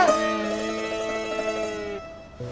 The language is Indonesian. kau mau pilih apa